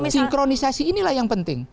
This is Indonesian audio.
sinkronisasi inilah yang penting